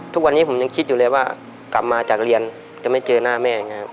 ทุกวันนี้ผมยังคิดอยู่เลยว่ากลับมาจากเรียนจะไม่เจอหน้าแม่อย่างนี้ครับ